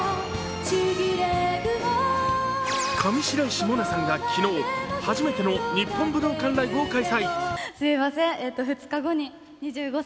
上白石萌音さんが昨日、初めての日本武道館ライブを開催。